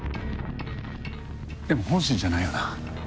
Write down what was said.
でも本心じゃないよな？